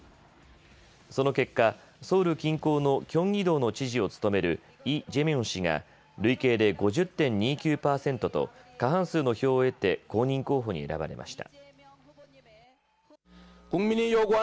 その結果、ソウル近郊のキョンギ道の知事を務めるイ・ジェミョン氏が累計で５０．２９％と過半数の票をを得て公認候補に選ばれました。